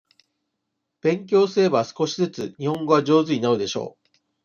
勉強すれば、少しずつ日本語が上手になるでしょう。